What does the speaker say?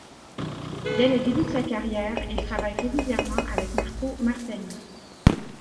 Dès le début de sa carrière, il travaille régulièrement avec Marco Martani.